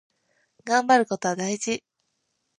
がんばることは大事。